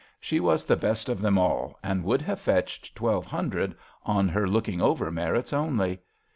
She was the best of them all, and would have fetched twelve hundred on her looking over merits only.